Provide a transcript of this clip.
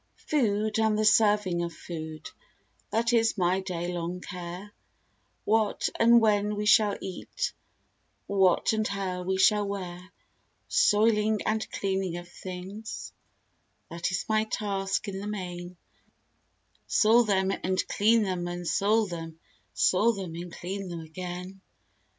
Food and the serving of food that is my daylong care; What and when we shall eat, what and how we shall wear; Soiling and cleaning of things that is my task in the main Soil them and clean them and soil them soil them and clean them again.